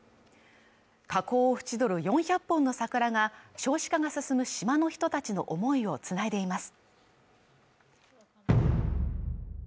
火口を縁取る４００本の桜が少子化が進む島の人たちの思いを繋いでいます。